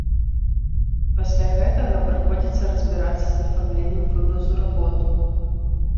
Пасля гэтага прыходзіцца разбірацца з афармленнем вывазу работ.